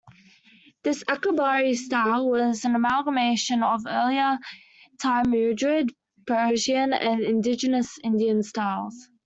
This "Akbari" Style was an amalgam of earlier Timurid, Persian and indigenous Indian styles.